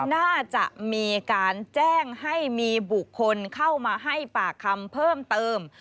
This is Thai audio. น่าจะมีการแจ้งให้มีบุคคลเข้ามาให้ปากคำเพิ่มเติม